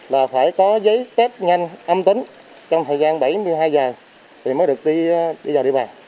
là phải có giấy test nhanh âm tính trong thời gian bảy mươi hai giờ thì mới được đi vào địa bàn